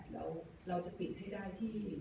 แล้วเราจะปิดให้ได้ที่๑๑๐คิว